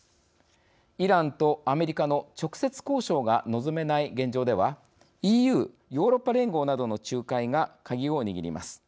イランとアメリカの直接交渉が望めない現状ではＥＵ＝ヨーロッパ連合などの仲介がカギを握ります。